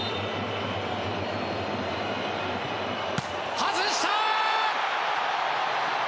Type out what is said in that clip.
外した！